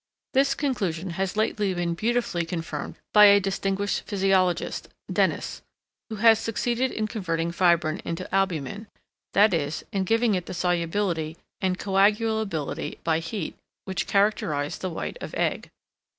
This conclusion has lately been beautifully confirmed by a distinguished physiologist (Denis), who has succeeded in converting fibrine into albumen, that is, in giving it the solubility, and coagulability by heat, which characterise the white of egg.